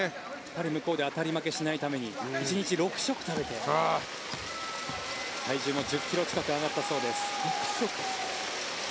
向こうで当たり負けしないために１日６食食べて体重も１０ｋｇ近く上がったそうです。